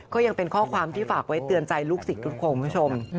ก็ยังเป็นข้อความที่ฝากไว้เตือนใจลูกศิษย์ทุกคนคุณผู้ชม